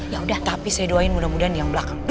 yaudah tapi saya doain mudah mudahan yang belakang